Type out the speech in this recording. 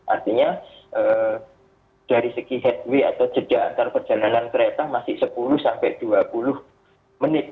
artinya dari segi headway atau jeda antar perjalanan kereta masih sepuluh sampai dua puluh menit